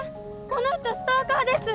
この人ストーカーです